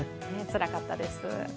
つらかったです。